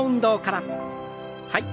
はい。